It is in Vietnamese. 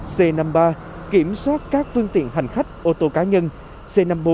c năm ba kiểm soát các loại phương tiện xe máy và xe thô sơ